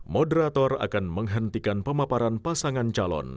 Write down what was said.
moderator akan menghentikan pemaparan pasangan calon